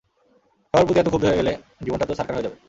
সবার প্রতি এতো ক্ষুব্ধ হয়ে গেলে জীবনটা তো ছারখার হয়ে যাবে।